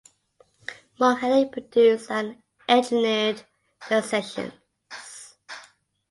Mark Henning produced and engineered the sessions.